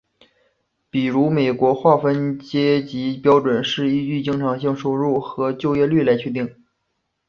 比如美国划分阶级标准是依照经常性收入和就业率来确定。